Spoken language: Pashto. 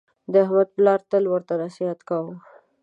د احمد پلار تل ورته نصحت کاوه: